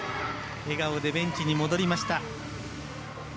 笑顔でベンチに戻りました。